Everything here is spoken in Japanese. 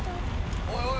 ・おい